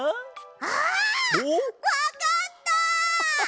あっわかった！